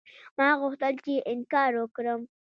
ما غوښتل چې انکار وکړم.